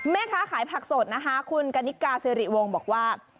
เมฆค้าขายผักสดนะคะคุณกานิกกาเสรีวงบอกว่า